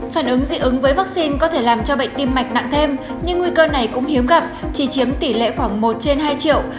phản ứng dị ứng với vaccine có thể làm cho bệnh tim mạch nặng thêm nhưng nguy cơ này cũng hiếm gặp chỉ chiếm tỷ lệ khoảng một trên hai triệu